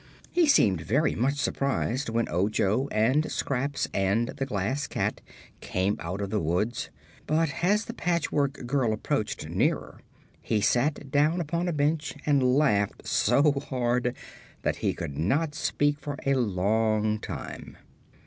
He seemed very much surprised when Ojo and Scraps and the Glass Cat came out of the woods, but as the Patchwork Girl approached nearer he sat down upon a bench and laughed so hard that he could not speak for a long time.